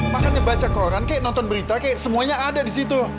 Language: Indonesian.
makanan baca koran kaya nonton berita kaya semuanya ada disitu